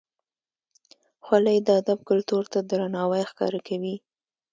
خولۍ د ادب کلتور ته درناوی ښکاره کوي.